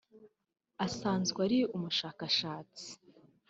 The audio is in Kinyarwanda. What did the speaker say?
asanzwe ari umushakashatsi